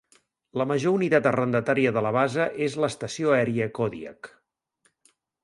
La major unitat arrendatària de la base és l'Estació Aèria Kodiak.